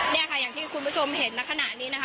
เนี่ยค่ะอย่างที่คุณผู้ชมเห็นณขณะนี้นะคะ